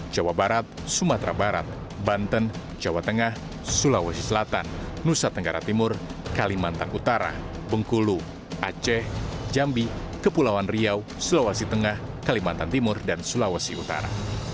jawa barat sumatera barat banten jawa tengah sulawesi selatan nusa tenggara timur kalimantan utara bengkulu aceh jambi kepulauan riau sulawesi tengah kalimantan timur dan sulawesi utara